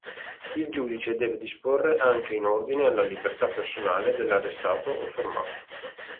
Il giudice deve disporre anche in ordine alla libertà personale dell'arrestato o fermato.